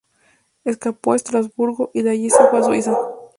Escapó a Estrasburgo, y de allí se fue a Suiza.